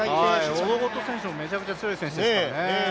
オロゴト選手もめちゃくちゃ強い選手ですからね。